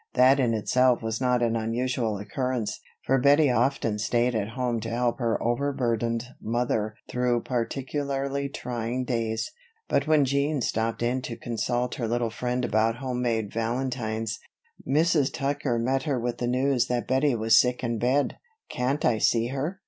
That in itself was not an unusual occurrence, for Bettie often stayed at home to help her overburdened mother through particularly trying days; but when Jean stopped in to consult her little friend about homemade valentines, Mrs. Tucker met her with the news that Bettie was sick in bed. "Can't I see her?"